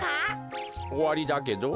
おわりだけど？